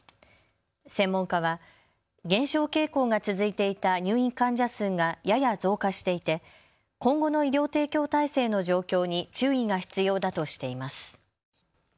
専門家は減少傾向が続いていた入院患者数がやや増加していて今後の医療提供体制の状況に注意が必要だとしています。